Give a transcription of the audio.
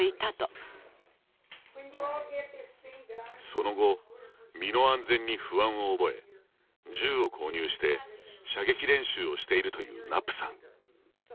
その後、身の安全に不安を覚え銃を購入して射撃練習をしているというナップさん。